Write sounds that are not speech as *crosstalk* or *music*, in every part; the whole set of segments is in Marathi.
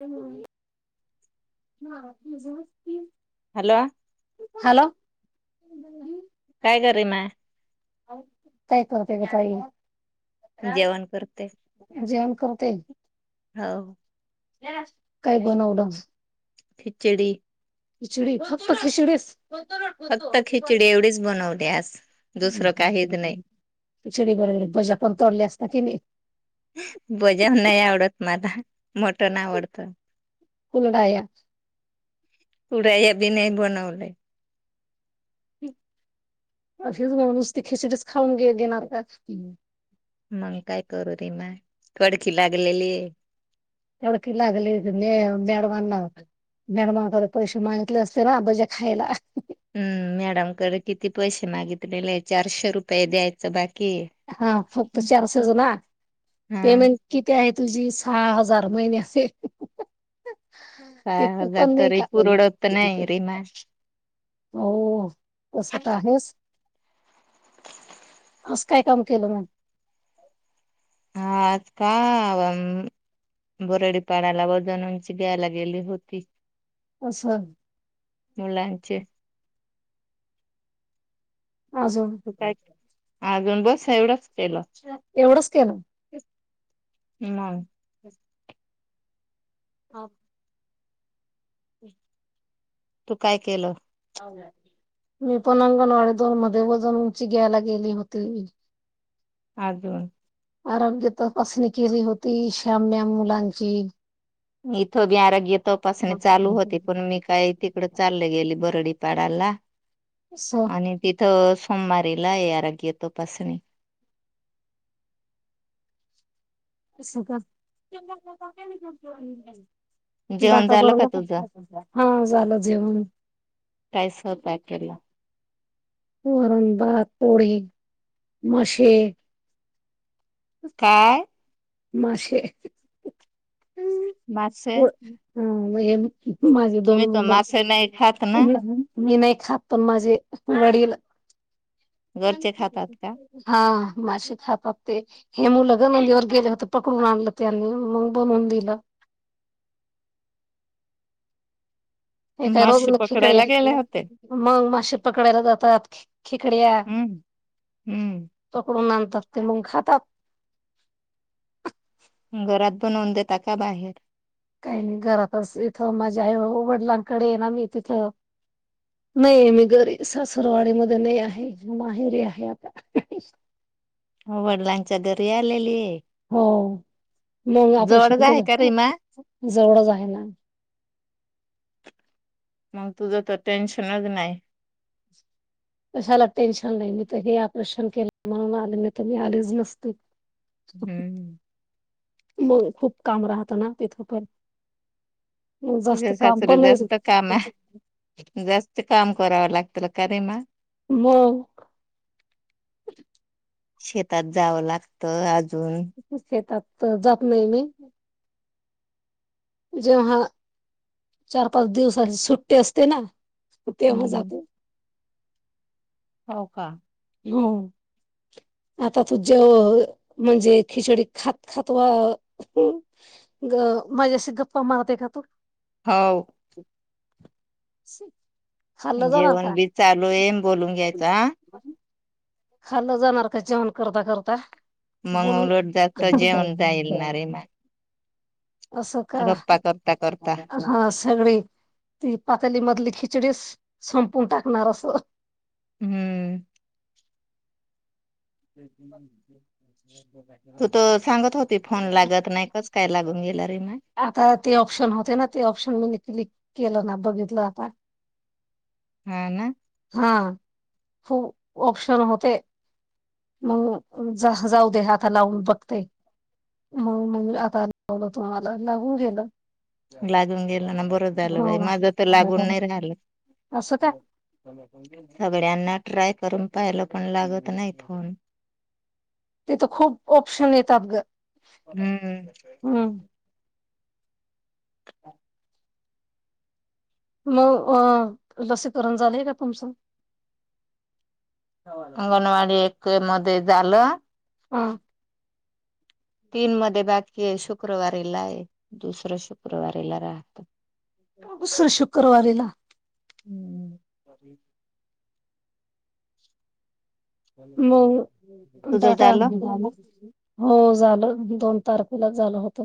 हज. हॅलो. *unintelligible* कररी म. काय करते ताई. जेवण करते जेवण करते हो. काय बनवल. खिचडी. खिचडी फक्त खिचडीच. फक्त खिचडी एवढीच बनवली आज दुसरं काहीच नाही खिचडी बरोबर भज्या पण तोडल्या असता की नाही बजाव नाही आवडत. मला मोटण आवडत. को लढाया. कुड बि नाही बनवले. नुस खिचिडीच खाऊन गे घेणार. मंग काय करोरी म. कडकी लागलेली. तेवढ की लागली मॅडमांना मॅडमांकडे पैसे मागितले असते ना बजे खायला. हम्म मॅडमकडे किती पैसे मागितलेले चारशे रुपये द्यायचं बाकी हा फक्त चारशेच ना हा पेमेंट किती आहे. तुझी सहा हजार महिने असे. सहा तथ हजार पण नाही तरी ख पुरवडत नाही रीमा हो तस तर आहेस. काय काम केलं म. हा आज का बोरडीपाड्याला वजणूंची द्यायला गेली होती. असं मुलांचे अजून ख बस एवढंच केल एवढंच के ना नाही ह तू काय केलं मी पण अंगणवाडी दोन मध्ये वजन उंची घ्यायला गेली होती अजून आरोग्य तर अससणी केली होती श्याम्य मुलांची इथं बी आरोग्य तपासणी चालू होती पण मी काय तिकड चालले गेली बरडी पाड बला स आणि तिथं ह मारी ला आराग्य तो पसणी अस का जेवण डाटा झालं का बरला तुझं हा झालंेवण काय स्वयंपाक केला वरण बग पोढी मसे काय मासेे हम् मासे हो हम् म माझी तुम्ही दोन तर मुलं मासे नाही खात ना मी नाही खात पण माझे वडील घरचे खातात का हा मासे खातातते हे मुल ग नंदीवर गेले होते पकडून आणलं त्यांनी मग बनवून दिलं हे काय रोज मासे म खिकड्या पकडायला गेले होते मग मशी पकडायला जातात खिकड्या हम्म हम्म पकडून ात ते मग खातात घरात बनवून देता का बाहेर काही नाही घरातच इथं माझ्या वडिलांकडे ना मी तिथं नाही आहे मी घरी सासरवाडी मध्ये नाही आहे माहेरी आहे आता हो वडलांच्या घरी आलेली आहे हो मग जवळच ऑपरेशन आहे का रीमा जवढंच आहे ना मग तुझं तर टेन्शनच नाही कशाला टेन्शन नाही मी तर हे ऑपरेशन केलं म्हणून आले नाही तर मी आलेच नसते हम्म मग खूप काम राहतं ना तिथं पण जास्त तुझ्या काम सासरे पण नाही जास्त काम आहे जास्त काम करावं लागत काे म मग शेतात जावं लागतं आज त येतात तर जप नाही मी जेव्हा चार पाच दिवस सुट्टी असते ना हो तेव्हा हम्म जातो हो का हो आता तू जेव म्हणजे खिचडी खात खातवा ग माझ्याशी गप्पा मारते का तू हो शिक जेवण बी चालू येम बोलून घ्यायच हा खाल्लं जाणार का जेवण करता करता बोल मंगलोट जातत जेवण जाईलणार रे म अशो का करता हा सगळी ती पातली मधली खिचडी संपून टाकणार अस हम्म त तर सांगत होती फोन लागत नाही काच काय लागून गेला रे म आता ते ऑप्शन होते ना ते ऑप्शन म्हणजे क्लिक केलं ना बघितलं आपण हा ना हा खूप ऑप्शन होते मग जाऊ दे आता लावून बघते मग मग आता लावलं तुम्हाला लावून गेलं लागून गेल ना बरं झालं बाई हो माझ तर लागून नाही राहिलं असं का सगळ्यांना ट्राय करून पाहिलं पण लागत नाही फोन तेथ खूप ऑप्शन येतात ग हम्म हम्म मग अ लसीकरण झालेय का तुमचं अंगणवाडी एक मध्ये झालं हा तीन मध्ये बाकी आहे शुक्रवारीला आहे दुसरं शुक्रवारीला राहत सर शुक्रवारीला अरी मग तुझं दाटा झालं हो झालं दोन तारखेला झाल होत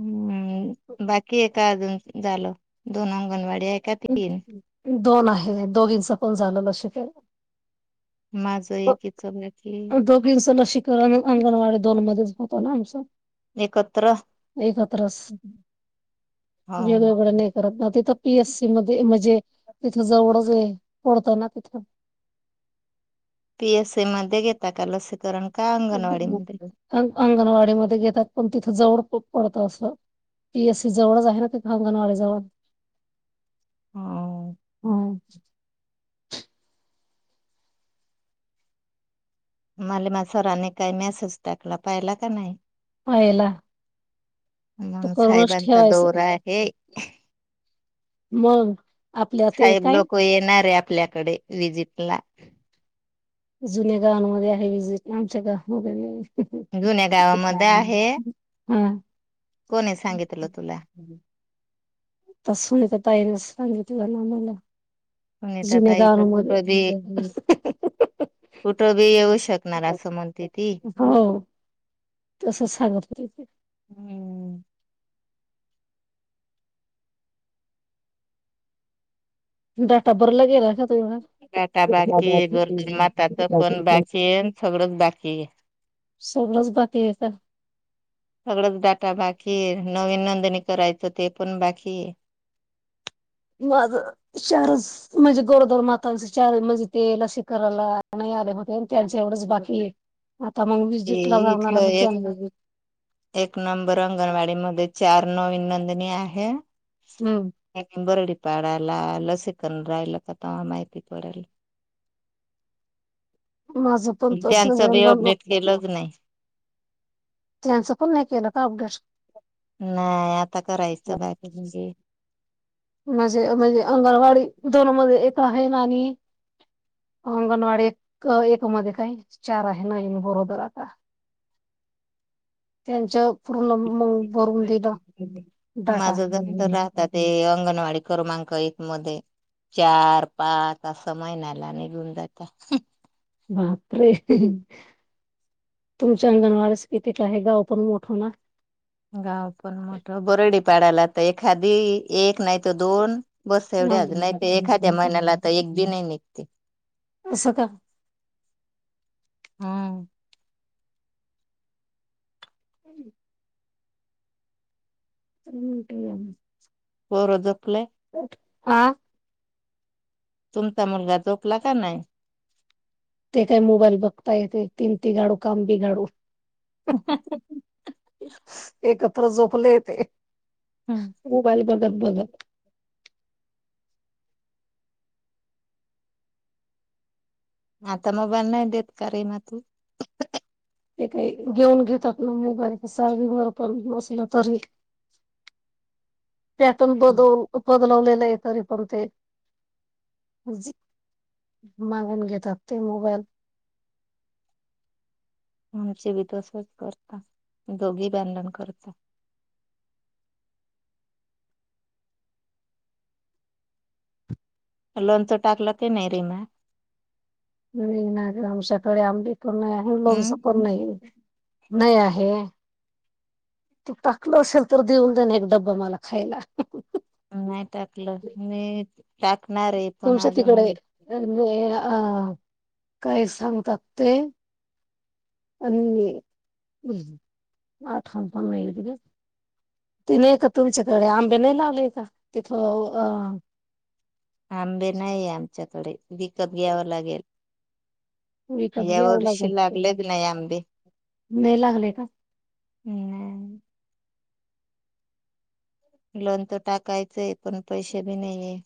हम्म बाकी एका अजून. झालं, दोन अंगणवाडी आहे का तीन दोन आहे, दोघींच पण झालं लग्न. अ का माझं एकीच बाकी आहे. दोघींच लशीकरण अंगणवाडी दोन मध्येच होतो ना आमच, एकत्र एकत्रच हो वेगवेगळं नाही करत तिथ पीएस सी मध्ये म्हणजे तिथं जवळच आहे, पडत ना तिथं पीएस ए मध्ये गेता कालास अंगणवाडी मध्ये घेतात. पण तिथं जवळ पडतं असं पीएससी जवळच आहे, ना ते अंगणवाडी जवळ. मध्ये हम् मले मा सरांने काही मेसेज टाकला, पाहिला का नाही. पायला. मग साहेबांचा दौरा आहे, मग आपल्या ते साहेब काय लोक येणारे आप आपल्याकडे विजिट ला. जुन्या गावांमध्ये आहे वि्हजिट आमच्या गावा मध्ये नाहीए. जुन्या गावामध्ये आहे, हा कोणी सांगितलं तुला. सुनीता ताईन सांगित तुझला आम्हाला सुनीता जुने ताई तर गावा मध्ये कुठं बी कुठं बी येऊ शकणार असं म्हणते ती हो तस सांगत हम्म. टबरलागेला काटा बाकी गरजन माताचं पण बाकी सगळंच बाकी. सगळच बात आहेेत. सगळंच बटा भाकीर नवीन आणि करायचं ते पण बाकी आहे. माझ चारच म्हणजे गोरदर मातांचे चार म्हणजे ते लसी करायला नाही आले होते त्यांच एवढंच बाकीए इथलं एक बी. एक नंबर अंगणवाडी मध्ये चार नवीन नंदनी आहे, हम्म नंबर पाडाला लसीकरण राहिल का तवा माहिती पडल. माझं पण तसच त्यांचं बी अपडेट केलंच नाही. त्यांचं पण नाही केलं का अपडेट नाही आता करायचं बाकी. मजे म्हणजे अंगणवाडी दोन मध्ये एक आहे ना आणि अंगणवाडी एक एक मध्ये काही चार आहे ना बरोदरा आ का त्यांचं पूर्ण मग बरून दिलं डाटा. माझं दफ्तर राहतात ते अंगणवाडी क्रमांक एक मध्ये चार पाच अस महिन्याला निघून जात. बापरे तुमच्या अंगणवारस किती का आहे गाव पण मोठं ना. गाव पण मोठ बरडी पाडायला तर एखादी एक नाही तर दोन बस एवढ्याच नाहीत एखाद्या महिन्याला आ तर असं एक ब नाही निघते का? हम् हम् हम् ते पररत प्ले आं तुमचा मुलगा चोकला का नाही ते काय मोबाईल बघता येत तीम ती गाडू कामबी गाडू ह एकत्र झोपले ते हो बघत बघत हता मोबाल नाही देत करी ना तू ते काही घेऊन घेतात ना म बारी सार विवरर पण बसलं तरी पॅटर्न बद बदलवले त पण ते मागून घेतात ते मोबाईल आमचे बी तसच करता दोघी बांडण करत लोन तो टाकलं की नाही रिमा नाही नाही आमश ोडे आंब प नाही आहे लोकस हम्म पण नाही नाही आहे तू टाकलं असेल तर देऊन देण एक डब्बा मला खायला नाही टाकलं मी टाकणार आहे पण तुमच्या अजून तिकडे अ काय सांगतात ते आणि आठवण पण नाहील त ते नाही का तुमच्याकडे आंबे नाही लावलेय का तिथ अ आंबे नाहीय आमच्याकडे विकत घ्यावं लागेल क कप या घ ला वर्षी लागलेच नाही आंबे. म लागले का नाही लोन तर टाकायचं आहे पण पैसे बी नाहीये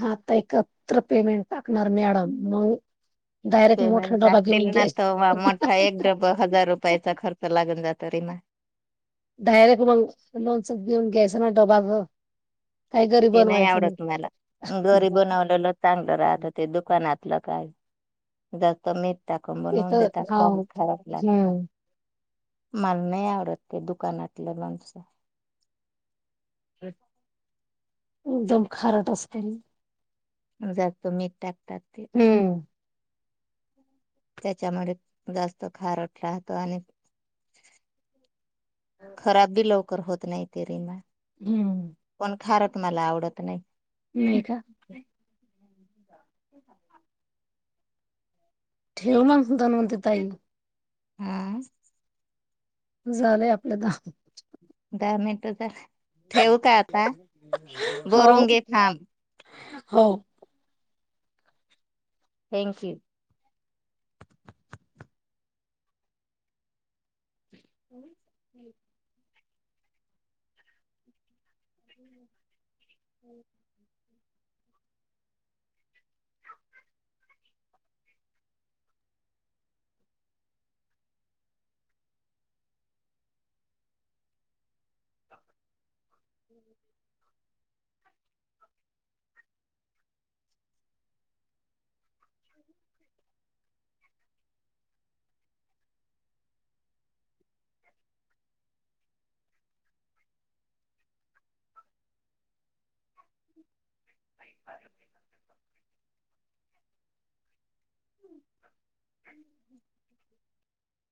हाता एकत्र पेमेंट टाकणार मॅडम मग डायरेक्ट मोठा पेमेंट डबा टाकतील घेऊन ना तर मोठा एक घ्यायचा डब हजार रुपयाचा खर्च लागून जातो तरीमा डायरेक्ट मग लोन स ग्यास ना डबा काही घरी ते नाही बनवायचं मग आवडत मला घरी बनवलेलं चांगलं राहतं ते दुकानात लं काय जास्त मी त्या क ते बनून तर देता खाऊ हाव खराब लागतो हम्म मला नाही आवडत ते दुकानातलं लणच एकदम खारट असतेनी जतो मीठ टाक प ते हम्म त्याच्यामुळे जास्त खारट राहतो आणि खराब बी लवकर होत नाही ते रिमा हम्म खारत मला आवडत नाही म का ठी आहे ठेव मगतन म्हते ताई हम्म झालंय आपल्याला दहा मिनटचा ठेव का आता हो बोरुंगी फांब हो थँक यू हो ह् हम् ह हम हम्